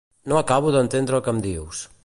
No acabo d'entendre el que em dius.